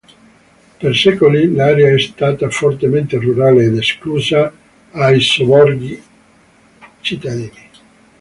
Per secoli, l'area è stata fortemente rurale ed esclusa ai sobborghi cittadini.